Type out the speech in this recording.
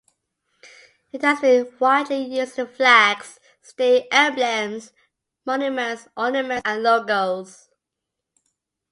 It has been widely used in flags, state emblems, monuments, ornaments, and logos.